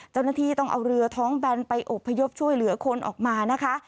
เจ้าหน้าที่ต้องเอาเรือท้องแบนไปอบพยพช่วยเหลือคนออกมานะคะ